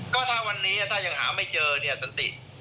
ก็ถ้าวันนี้ถ้ายังหาไม่เจอเนี่ยสันติ